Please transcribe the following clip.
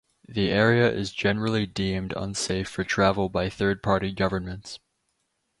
The area is generally deemed unsafe for travel by third party governments.